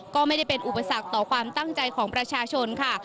ก็ไม่ได้เป็นอุปสรรคต่อความตั้งใจของประชาชนค่ะ